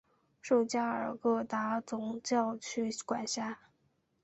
受加尔各答总教区管辖。